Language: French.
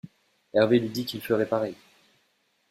Hervé lui dit qu'il ferait pareil.